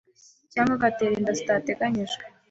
cyangwa agatera inda zitateganyijwe.